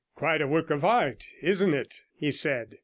'Quite a work of art, isn't it?' he said.